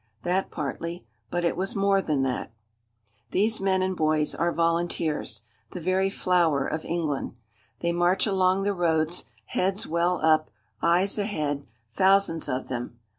That partly. But it was more than that. These men and boys are volunteers, the very flower of England. They march along the roads, heads well up, eyes ahead, thousands of them.